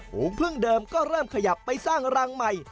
หูพึ่งเดิมก็เริ่มขยับไปสร้างรังใหม่